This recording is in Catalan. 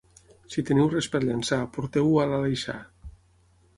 Si teniu res per llençar, porteu-ho a l'Aleixar.